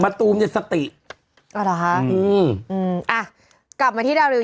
เผื่อกับตัว